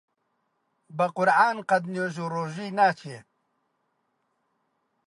بە قورعان قەت نوێژ و ڕۆژووی ناچێ!